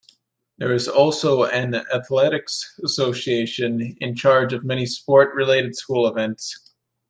There is also an Athletics Association in charge of many sport-related school events.